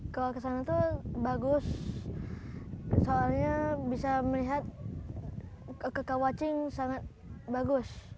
kalau kesana tuh bagus soalnya bisa melihat kekah wacing sangat bagus